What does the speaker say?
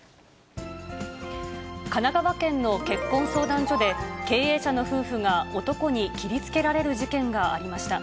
神奈川県の結婚相談所で、経営者の夫婦が男に切りつけられる事件がありました。